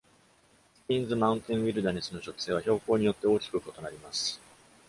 スティーンズマウンテンウィルダネスの植生は標高によって大きく異なります。